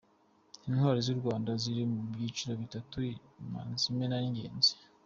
Intwari z’u Rwanda ziri mu byiciro bitatu; Imanzi, Imena n’Ingenzi.